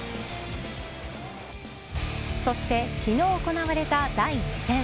そして、昨日行われた第２戦。